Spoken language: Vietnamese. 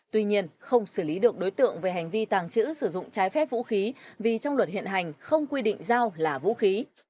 tuy nhiên không xử lý được đối tượng về hành vi tàng trữ sử dụng trái phép vũ khí vì trong luật hiện hành không quy định dao là vũ khí